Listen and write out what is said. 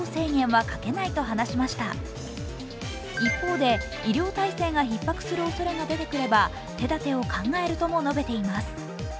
一方で、医療体制がひっ迫するおそれが出てくれば手立てを考えるとも述べています。